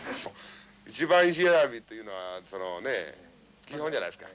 一番石選びというのは基本じゃないですか。